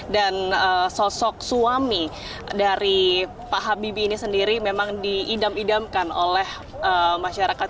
dan sosok suami dari pak habibie ini sendiri memang diidam idamkan oleh masyarakat